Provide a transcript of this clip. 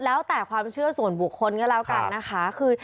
แล้วแต่ความเชื่อส่วนบุคคลก็แล้วกันนะคะคือ